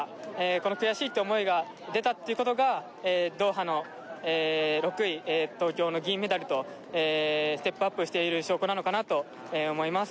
この悔しいっていう思いが出たっていうことがドーハの６位東京の銀メダルとええステップアップしている証拠なのかなと思います